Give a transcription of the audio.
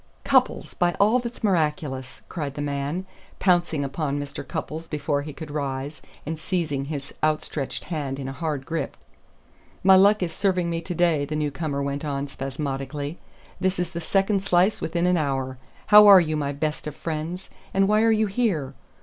"Cupples, by all that's miraculous!" cried the man, pouncing upon Mr. Cupples before he could rise, and seizing his outstretched hand in a hard grip. "My luck is serving me to day," the newcomer went on spasmodically. "This is the second slice within an hour. How are you, my best of friends? And why are you here?